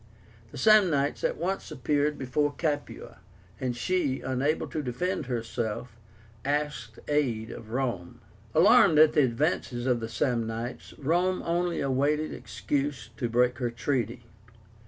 The Samnites at once appeared before Capua, and she, unable to defend herself, asked aid of Rome. Alarmed at the advances of the Samnites, Rome only awaited an excuse to break her treaty.